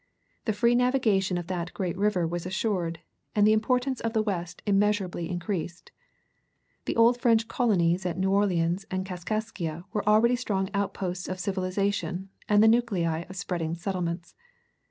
The free navigation of that great river was assured, and the importance of the West immeasurably increased. The old French colonies at New Orleans and Kaskaskia were already strong outposts of civilization and the nuclei of spreading settlements.